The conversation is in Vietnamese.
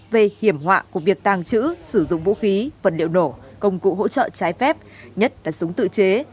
về hiểm họa của việc tàng trữ sử dụng vũ khí vật liệu nổ công cụ hỗ trợ trái phép nhất là súng tự chế